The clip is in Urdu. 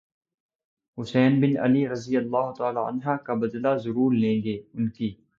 حسین بن علی رض کا بدلہ ضرور لیں گے انکی